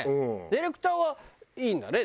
ディレクターはいいんだね。